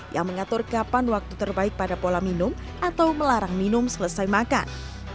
yang mengatur kapan waktu terbaik pada pola minum atau melarang minum selesai makan